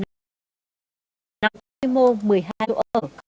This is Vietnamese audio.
năm trường hợp thuê mô một mươi hai chỗ ở